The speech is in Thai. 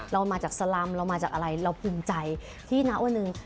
เรามาจากสลำเรามาจากอะไรเราภูมิใจที่ณวันหนึ่ง